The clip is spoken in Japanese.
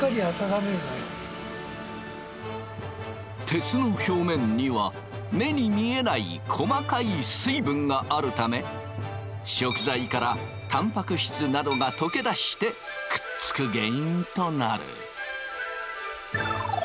鉄の表面には目に見えない細かい水分があるため食材からタンパク質などが溶け出してくっつく原因となる。